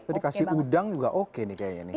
dikasih udang juga oke nih kayaknya nih